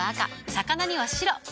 魚には白。